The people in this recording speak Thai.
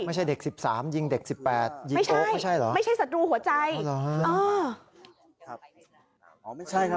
ไม่ใช่เด็ก๑๓ยิงเด็ก๑๘ยิงโอ๊คไม่ใช่เหรอ